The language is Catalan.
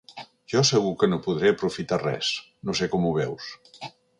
Jo segur que no podré aprofitar res, no sé com ho veus.